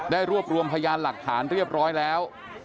รวบรวมพยานหลักฐานเรียบร้อยแล้ว